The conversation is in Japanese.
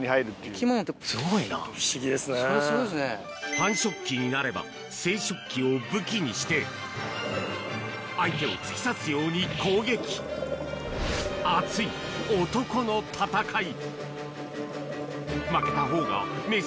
繁殖期になれば生殖器を武器にして相手を突き刺すように攻撃熱い男の戦い